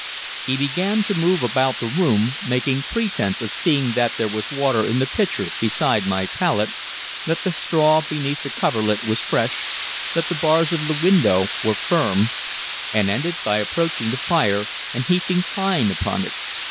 He began to move about the room, making pretense of seeing that there was water in the pitcher beside my pallet, that the straw beneath the coverlet was fresh, that the bars of the window were firm, and ended by approaching the fire and heaping pine upon it.